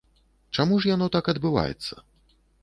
Чаму ж яно так адбываецца?